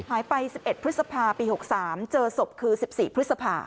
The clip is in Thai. หายไปสิบเอ็ดพฤษภาปีหกสามเจอศพคือสิบสี่พฤษภา